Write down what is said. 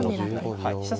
はい。